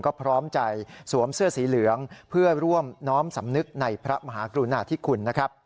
ก็พร้อมใจสวมเสื้อสีเหลืองเพื่อร่วมน้อมสำนึกในพระมหากรุณาธิคุณนะครับ